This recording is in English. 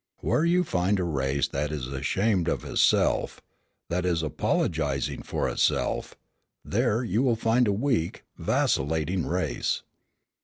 Where you find a race that is ashamed of itself, that is apologising for itself, there you will find a weak, vacillating race.